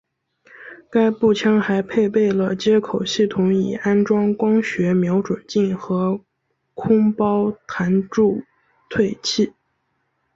该步枪还配备了接口系统以安装光学瞄准镜和空包弹助退器。